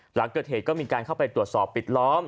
หลังเกิดเหตุก็มีการเข้าไปตรวจสอบปิดล้อม